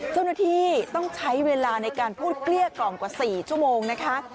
เจ้าหน้าที่ต้องใช้เวลาในการพูดเกลี้ยกล่อมกว่า๔ชั่วโมงนะคะ